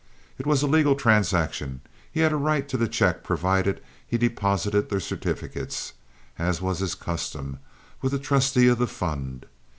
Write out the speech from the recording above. It was a legal transaction. He had a right to the check provided he deposited the certificates, as was his custom, with the trustee of the fund.